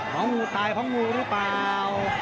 พองงูตายพองงูหรือเปล่า